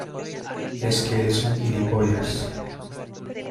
es que eres un gilipollas.